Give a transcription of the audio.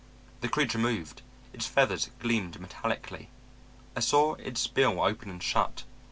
This creature moved; its feathers gleamed metallically; I saw its bill open and shut.